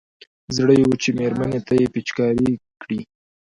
زړه يې و چې مېرمنې ته يې پېچکاري کړي.